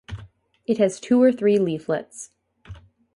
It has two or three leaflets.